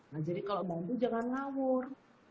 nah jadi kalau bambu jangan ngawur